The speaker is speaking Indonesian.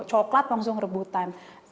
coklat langsung rebutan